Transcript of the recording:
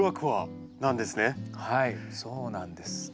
はいそうなんです。